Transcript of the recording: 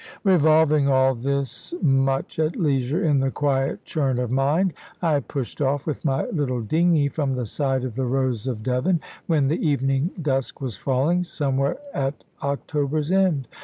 Revolving all this much at leisure in the quiet churn of mind, I pushed off with my little dingy from the side of the Rose of Devon, when the evening dusk was falling, somewhere at October's end.